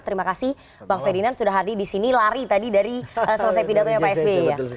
terima kasih bang ferdinand sudah hadir disini lari tadi dari selesai pidato yang psb ya